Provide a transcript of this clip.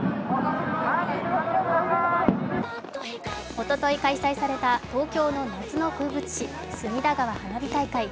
おととい開催された東京の夏の風物詩、隅田川花火大会。